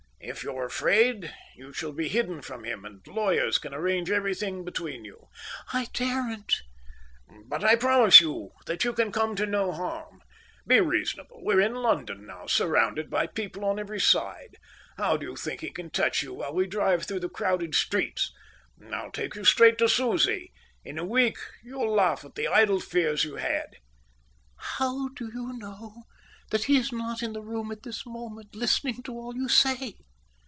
If you're afraid, you shall be hidden from him, and lawyers shall arrange everything between you." "I daren't." "But I promise you that you can come to no harm. Be reasonable. We're in London now, surrounded by people on every side. How do you think he can touch you while we drive through the crowded streets? I'll take you straight to Susie. In a week you'll laugh at the idle fears you had." "How do you know that he is not in the room at this moment, listening to all you say?"